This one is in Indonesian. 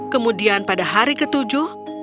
kemudian pada hari ketujuh